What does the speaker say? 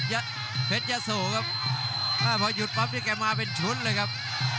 เพชรยะโสครับอ่าพอหยุดปั๊บนี่แกมาเป็นชุดเลยครับ